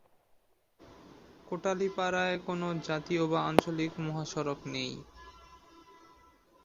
কোটালীপাড়ায় কোনো জাতীয় বা আঞ্চলিক মহাসড়ক নেই।